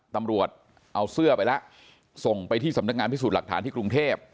ตำรวจเอาเสื้อไปแล้วส่งไปที่สำนักงานพิสูจน์หลักฐานที่กรุงเทพ